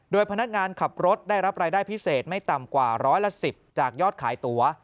โดยพนักงานขับรถได้รับรายได้พิเศษไม่ต่ำกว่าร้อยละ๑๐จากยอดขายตั๋ว